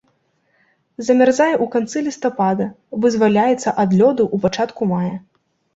Замярзае ў канцы лістапада, вызваляецца ад лёду ў пачатку мая.